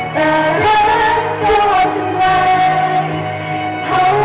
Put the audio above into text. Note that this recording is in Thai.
ขอบคุณทุกเรื่องราว